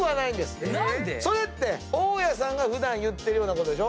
それって桜夜さんが普段言ってるようなことでしょ。